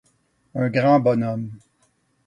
Un grand bonhomme!